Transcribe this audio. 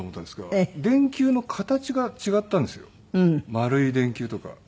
丸い電球とか三角。